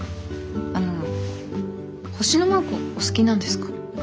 あの星のマークお好きなんですか？